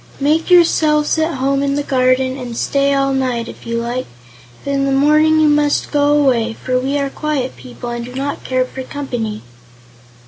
Make yourselves at home in the garden and stay all night, if you like; but in the morning you must go away, for we are quiet people and do not care for company."